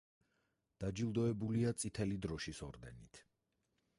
დაჯილდოებულია წითელი დროშის ორდენით.